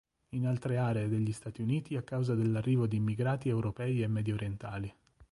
In altre aree degli Stati Uniti a causa dell'arrivo di immigrati europei e mediorientali.